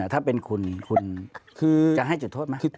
ถ้าเป็นคุณคุณจะให้จุดโทษไหม